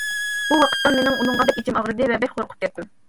ئۇ ۋاقىتتا مېنىڭ ئۇنىڭغا بەك ئىچىم ئاغرىدى ۋە بەك قورقۇپ كەتتىم.